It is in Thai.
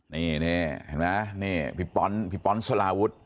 นี่เห็นไหมนี่พี่ป๊อนพี่ป๊อนสลาวุฒิ